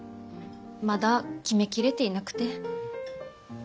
まだ決め切れていなくて。